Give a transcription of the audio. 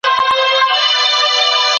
د پاچا د ناروغۍ خبر په خلګو کي څنګه خپور سو؟